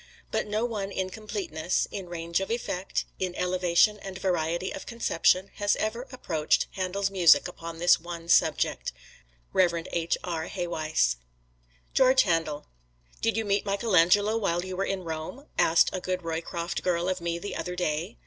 But no one in completeness, in range of effect, in elevation and variety of conception, has ever approached Handel's music upon this one subject. Rev. H. R. Haweis GEORGE HANDEL "Did you meet Michelangelo while you were in Rome?" asked a good Roycroft girl of me the other day.